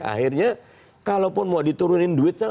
akhirnya kalaupun mau diturunin duit saja